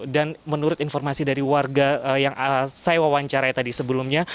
dan menurut informasi dari warga yang saya wawancarai tadi sebelumnya